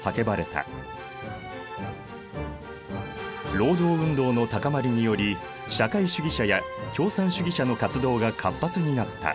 労働運動の高まりにより社会主義者や共産主義者の活動が活発になった。